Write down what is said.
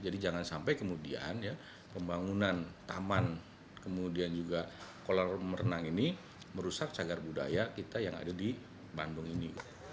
jadi jangan sampai kemudian pembangunan taman kemudian juga kolam renang ini merusak cagar budaya kita yang ada di bandung ini